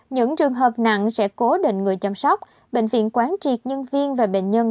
những trường hợp nặng sẽ cố định người chăm sóc bệnh viện quán triệt nhân viên và bệnh nhân